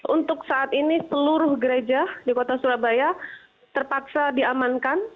untuk saat ini seluruh gereja di kota surabaya terpaksa diamankan